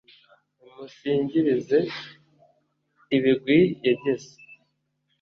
nimuyisingirize ibigwi yagize